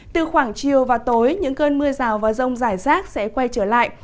từ khoảng chiều và tối những cơn mưa rào và rông rải rác sẽ quay trở lại